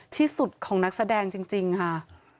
ที่สุดของนักแสดงจริงค่ะ